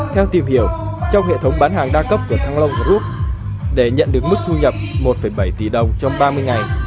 theo tìm hiểu trong hệ thống bán hàng đa cấp của thăng long group để nhận được mức thu nhập một bảy tỷ đồng trong ba mươi ngày